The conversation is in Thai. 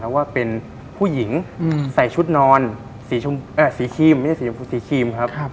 แล้วว่าเป็นผู้หญิงใส่ชุดนอนสีขีมครับ